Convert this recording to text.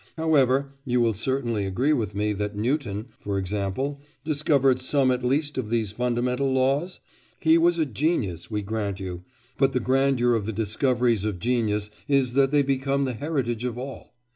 However, you will certainly agree with me that Newton, for example, discovered some at least of these fundamental laws? He was a genius, we grant you; but the grandeur of the discoveries of genius is that they become the heritage of all.